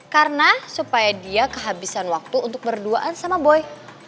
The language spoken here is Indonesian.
karena supaya dia kehabisan waktu untuk berduaan sama boy